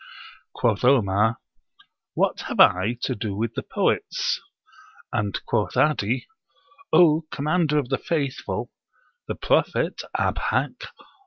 Quoth Omar, "What have I to do with the poets?" And quoth 'Adi, "O Commander of the Faithful, the Prophet (_Abhak!